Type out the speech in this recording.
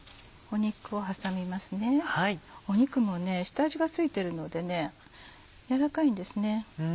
肉も下味が付いてるのでやわらかいんですね。